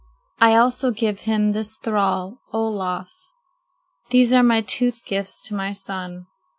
I also give to him this thrall, Olaf. These are my tooth gifts to my son."